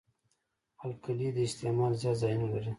القلي د استعمال زیات ځایونه لري.